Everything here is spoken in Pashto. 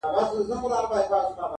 هره ورځ لکه لېندۍ پر ملا کږېږم،